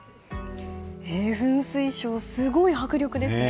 噴水ショーすごい迫力ですね。